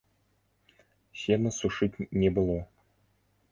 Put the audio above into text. Сена сушыць не было.